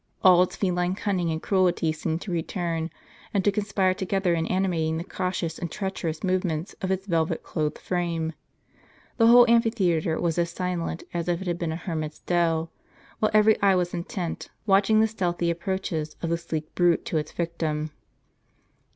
All its feline cunning and cruelty seemed to return, and to conspire together in animating the cautious and treacherous movements of its velvet clothed frame. The whole amphitheatre was as silent as if it had been a hermit's dell, while every eye was intent, watching the stealthy approaches of the sleek brute to its victim.